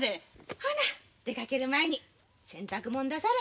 ほな出かける前に洗濯物出され。